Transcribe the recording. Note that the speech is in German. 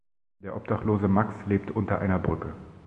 Der obdachlose Max lebt unter einer Brücke.